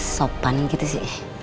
sopan gitu sih